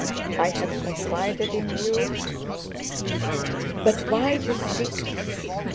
I have confided in you...." "But why this secrecy?